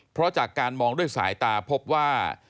เพราะจากการมองด้วยสายตาพบว่า